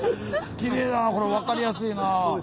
きれいだなこれ分かりやすいなあ。